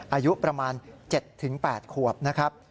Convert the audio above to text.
อายุประมาณ๗๘ขวบนะครับ